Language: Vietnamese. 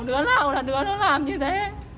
đứa nào là đứa nó làm như thế